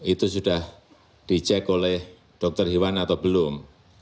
itu sudah dicek oleh dokter hewan atau belum